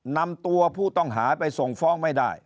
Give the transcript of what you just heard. นำตัวผู้ต้องหาไปส่งฟ้องไม่ได้